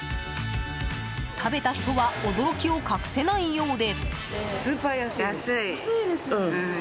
食べた人は驚きを隠せないようで。